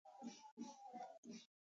موټر اسانه ده